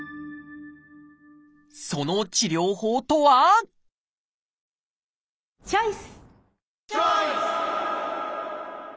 その治療法とはチョイス！